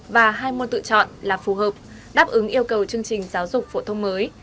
và hai môn tự chọn là phù hợp đáp ứng yêu cầu chương trình giáo dục phổ thông mới